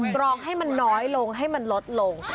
กรองให้มันน้อยลงให้มันลดลง